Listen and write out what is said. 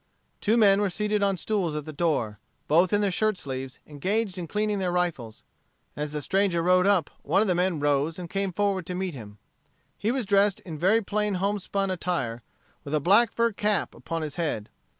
Two men were seated on stools at the door, both in their shirt sleeves, engaged in cleaning their rifles. As the stranger rode up, one of the men rose and came forward to meet him. He was dressed in very plain homespun attire, with a black fur cap upon his head.